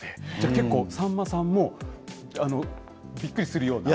結構、さんまさんもびっくりするような？